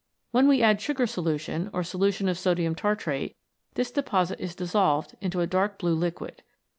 When we add sugar solution, or solution of sodium tartrate, this deposit is dissolved into a dark blue liquid.